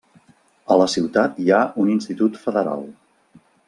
A la ciutat hi ha un institut federal.